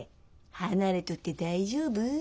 離れとって大丈夫？